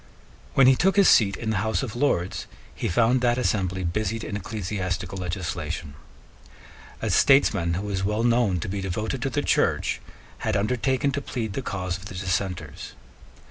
When he took his seat in the House of Lords, he found that assembly busied in ecclesiastical legislation. A statesman who was well known to be devoted to the Church had undertaken to plead the cause of the Dissenters.